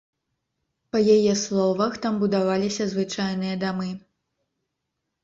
Па яе словах, там будаваліся звычайныя дамы.